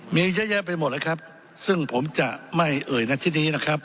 มีเยอะแยะไปหมดเลยครับซึ่งผมจะไม่เอ่ยในที่นี้นะครับ